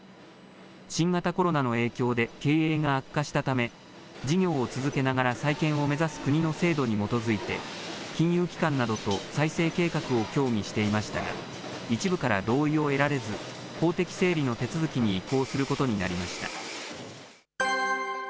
新型コロナの影響で経営が悪化したため、事業を続けながら再建を目指す国の制度に基づいて、金融機関などと再生計画を協議していましたが、一部から同意を得られず、法的整理の手続きに移行することになりました。